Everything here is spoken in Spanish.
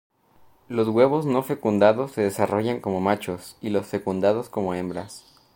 Los huevos no fecundados se desarrollan como machos y los fecundados como hembras.